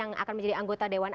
yang akan menjadi anggota dewan